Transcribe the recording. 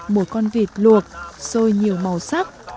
một con vịt luộc sôi nhiều màu sắc